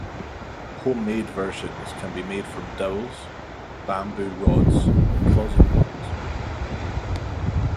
Homemade versions can be made from dowels, bamboo rods, or closet poles.